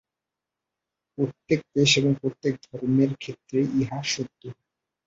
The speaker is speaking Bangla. প্রত্যেক দেশ এবং প্রত্যেক ধর্মের ক্ষেত্রেই ইহা সত্য।